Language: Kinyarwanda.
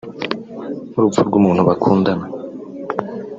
nk’urupfu rw’umuntu bakundaga